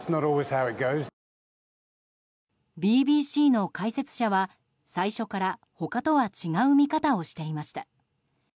ＢＢＣの解説者は、最初から他とは違う見方をしていました。